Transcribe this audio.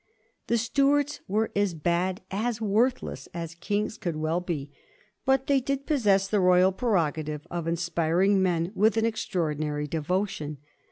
The Stuarts were as bad, as worthless, as kings could well be, but they did possess the royal prerogative of inspiring men with an extraordi nary devotion.